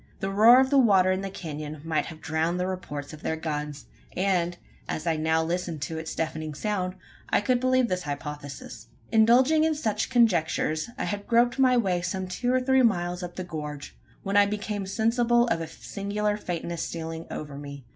The roar of the water in the canon might have drowned the reports of their guns; and, as I now listened to its deafening sound, I could believe in this hypothesis. Indulging in such conjectures, I had groped my way some two or three miles up the gorge, when I became sensible of a singular faintness stealing over me.